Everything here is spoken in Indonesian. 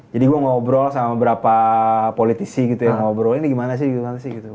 jadi gue ngobrol sama beberapa politisi gitu ya ngobrolin gimana sih gimana sih gitu